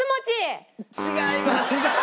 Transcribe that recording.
違います。